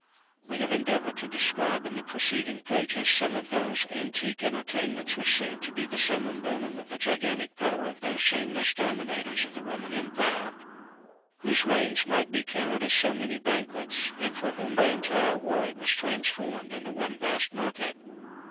[E] We have endeavoured to describe in the preceding pages some of those antique entertainments, which seem to be the summum bonum of the gigantic power of those shameless dominators of the Roman empire, whose reigns might be counted as so many banquets, and for whom the entire world was transformed into one vast market.